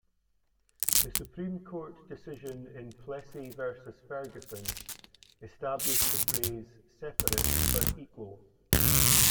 The Supreme Court decision in "Plessy versus Ferguson" established the phrase "separate but equal".